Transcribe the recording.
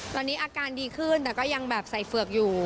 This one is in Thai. ตอนนี้อาการดีขึ้นแต่ก็ยังแบบใส่เฝือกอยู่